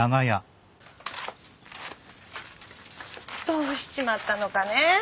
どうしちまったのかねえ？